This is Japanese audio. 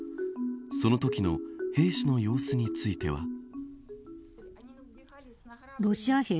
そのときの兵士の様子については。